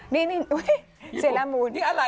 นี่นี่อุ๊ยเซรามูลนี่อะไรอ่ะ